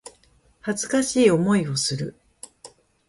恥ずかしい思いをする